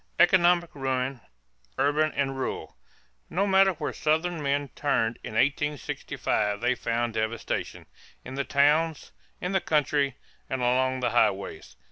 =Economic Ruin Urban and Rural.= No matter where Southern men turned in 1865 they found devastation in the towns, in the country, and along the highways.